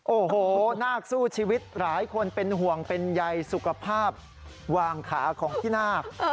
โอ้โหนาคสู้ชีวิตหลายคนเป็นห่วงเป็นใยสุขภาพวางขาของพี่นาค